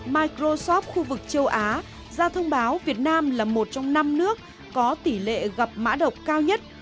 microsoft khu vực châu á ra thông báo việt nam là một trong năm nước có tỷ lệ gặp mã độc cao nhất